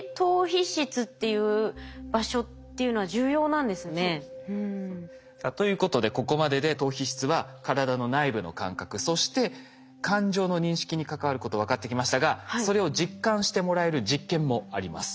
じゃあそうですね。ということでここまでで島皮質は体の内部の感覚そして感情の認識に関わること分かってきましたがそれを実感してもらえる実験もあります。